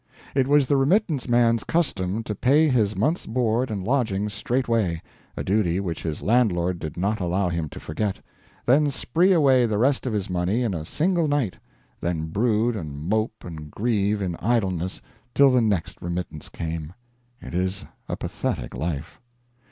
It was the remittance man's custom to pay his month's board and lodging straightway a duty which his landlord did not allow him to forget then spree away the rest of his money in a single night, then brood and mope and grieve in idleness till the next remittance came. It is a pathetic life.